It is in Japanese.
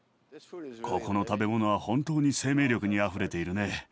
ここの食べ物は本当に生命力にあふれているね。